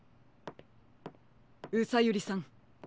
うさゆりさん。